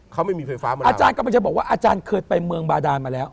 ท่านก็ไม่ใช่บอกว่าอาจารย์เคยไปเมืองบาดารมาแล้ว